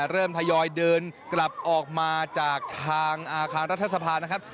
ทยอยเดินกลับออกมาจากทางอาคารรัฐสภานะครับ